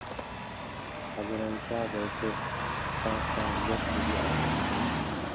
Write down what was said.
Азырынча жалпы так сан жок, — деди ал.